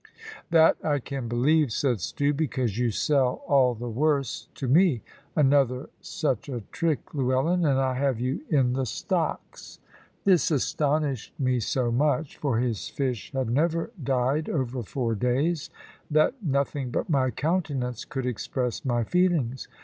"That I can believe," said Stew; "because you sell all the worst to me. Another such a trick, Llewellyn, and I have you in the stocks." This astonished me so much for his fish had never died over four days that nothing but my countenance could express my feelings.